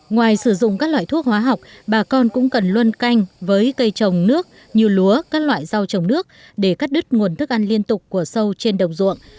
ngoài sử dụng các loại thuốc hóa học bà con cũng cần luôn canh với cây trồng nước như lúa các loại rau trồng nước để cắt đứt nguồn thức ăn liên tục của sâu trên đồng ruộng